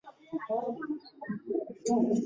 闽安协台衙门的历史年代为清。